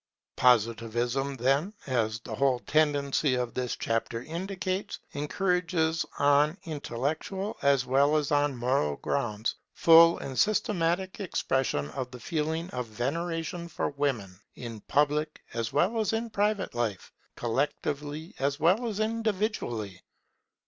Positivism then, as the whole tendency of this chapter indicates, encourages, on intellectual as well as on moral grounds, full and systematic expression of the feeling of veneration for Women, in public as well as in private life, collectively as well as individually.